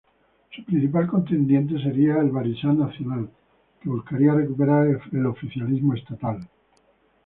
Su principal contendiente sería el Barisan Nasional, que buscaría recuperar el oficialismo estatal.